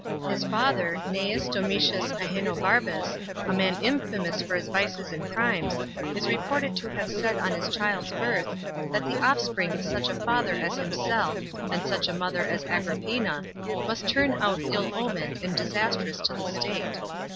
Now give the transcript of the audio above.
His father, Gnaeu* Domitius Al enobarbus, a man infmious for his vices and crimes, i* reported to have said on his child's birth, that the offspring of such a father as himsel', and such a mother as A'jrippina, m.ust turn out ill omened and disastrous to the state.